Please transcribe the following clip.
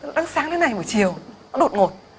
đang sáng đến nay buổi chiều nó đột ngột